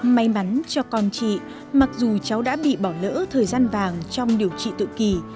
may mắn cho con chị mặc dù cháu đã bị bỏ lỡ thời gian vàng trong điều trị tự kỳ